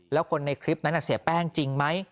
แล้วคนในคลิปนั้นเสียแป้งจริงไหม